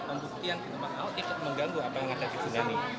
pembuktian di tempat ahok tidak mengganggu apa yang ada di tsunami